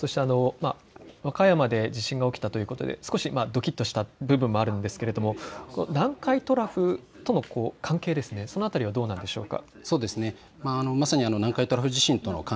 和歌山で地震が起きたということで少しどきっとした部分もあったと思いますが南海トラフとの関係、その辺りはどうなんでしょうか。